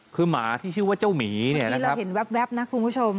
คือหมาที่ชื่อว่าเจ้าหมีเนี่ยที่เราเห็นแว๊บนะคุณผู้ชม